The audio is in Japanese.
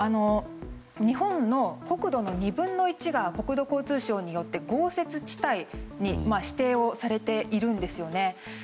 日本の国土の２分の１が国土交通省によって豪雪地帯に指定をされているんですよね。